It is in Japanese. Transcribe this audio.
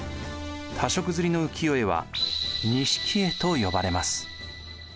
多色刷りの浮世絵は錦絵と呼ばれます。